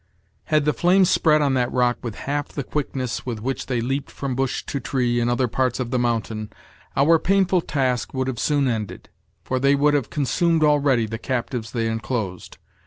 Had the flames spread on that rock with half the quickness with which they leaped from bush to tree in other parts of the mountain, our painful task would have soon ended; for they would have consumed already the captives they inclosed.